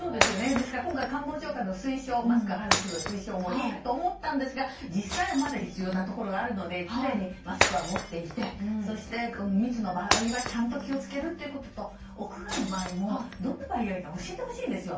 ですから今回官房長官のマスク外す推奨もいいかなと思いましたが、実際はまだ必要なところもあるので常にマスクは持っていて密の場合はちゃんと気を付けることと屋外の場合もどんな場合がいいか教えてほしいんですよ。